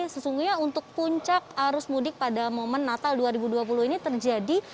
sesungguhnya untuk puncak arus mudik pada momen natal dua ribu dua puluh ini terjadi